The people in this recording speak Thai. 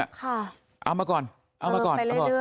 เอามาก่อนเอามาก่อน